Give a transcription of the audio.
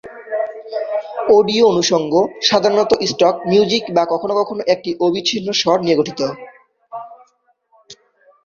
Audio অনুষঙ্গ সাধারণত stock music বা কখনও কখনও একটি অবিচ্ছিন্ন স্বর নিয়ে গঠিত।